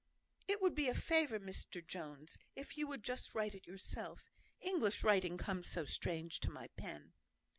"It would be a favour, Mr Jones, if you would just write it yourself. English writing comes so strange to my pen."